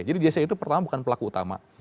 jadi jc itu pertama bukan pelaku utama